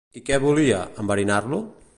I què volia, enverinar-lo?